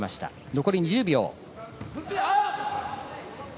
残り２０秒。